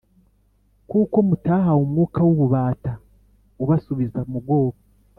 kuko mutahawe umwuka w'ububata ubasubiza mu bwoba,